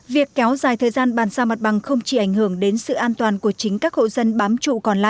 việc kéo dài thời gian bàn giao mặt bằng không chỉ ảnh hưởng đến sự an toàn của chính các hộ dân bám chủ